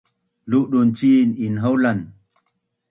Ludun cin inhaulan